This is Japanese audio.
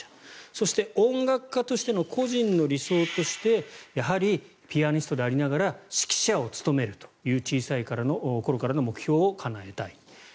そして、音楽家としての個人の理想としてやはり、ピアニストでありながら指揮者を務めるという小さい頃からの目標を務めたい。